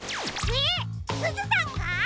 えっすずさんが！？